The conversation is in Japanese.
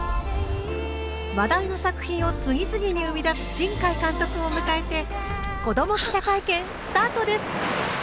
話題の作品を次々に生み出す新海監督を迎えて子ども記者会見スタートです！